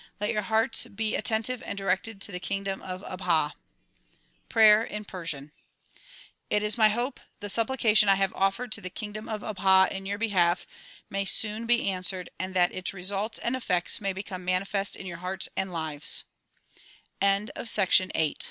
Let your hearts be at tentive and directed to the kingdom of Abha. Prayer in Persian It is my hope the supplication I have ofl'ered to the kingdom of Abha in your behalf may soon be answered and that its results and effects may become manifes